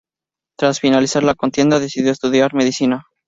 Tras finalizar la contienda decidió estudiar Medicina.